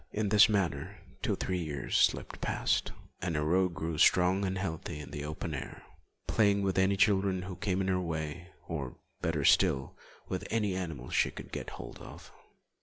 In this manner two or three years slipped past, and Aurore grew strong and healthy in the open air, playing with any children who came in her way, or, better still, with any animals she could get hold of.